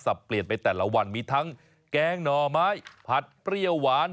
เปลี่ยนไปแต่ละวันมีทั้งแกงหน่อไม้ผัดเปรี้ยวหวาน